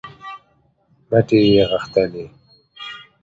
مټې یې غښتلې